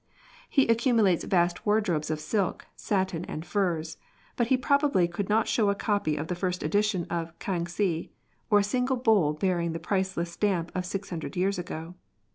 He accumu lates vast wardrobes of silk, satin, and furs ; but he probably could not show a copy of the first edition of K'ang Hsi, or a single bowl bearing the priceless stamp of six hundred years ago.